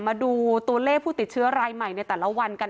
มาดูตัวเลขผู้ติดเชื้อรายใหม่ในแต่ละวันกัน